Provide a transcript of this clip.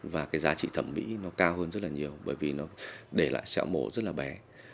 và cái giá trị thẩm mỹ nó cao hơn rất là nhiều bởi vì nó để lại xẹo mổ rất là bé